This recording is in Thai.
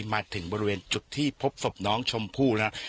มาถึงบริเวณจุดที่พบศพน้องชมพู่แล้ว